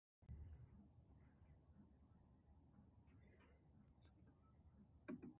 You were plentifully furnished with examples of the beds of rivers changed.